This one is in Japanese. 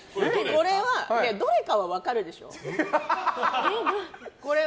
これは、どれかは分かるでしょ。